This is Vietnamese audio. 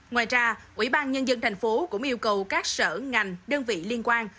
ngoài ra ubnd tp hcm cũng yêu cầu các sở ngành đơn vị liên quan